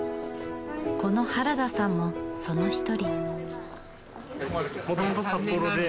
この原田さんもその１人。